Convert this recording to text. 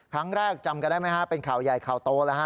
ครั้งแรกจำกันได้ไหมฮะเป็นข่าวใหญ่ข่าวโตแล้วฮะ